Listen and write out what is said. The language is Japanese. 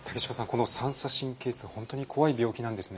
この三叉神経痛本当に怖い病気なんですね。